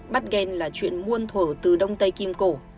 bắt gan là chuyện muôn thổ từ đông tây kim cổ